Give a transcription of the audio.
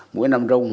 mũi nằm rung